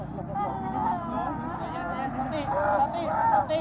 เจยเยียน